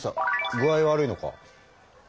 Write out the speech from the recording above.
具合悪いのか？